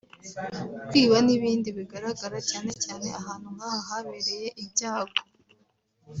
kwiba n’ibindi bigaragara cyane cyane ahantu nk’aha habereye ibyago